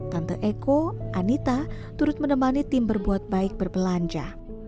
tante eko anita turut menemani tim berbuat baik berbelanja